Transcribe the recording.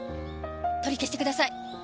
取り消してください！